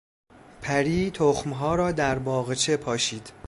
پری تخمها را در باغچه پاشید.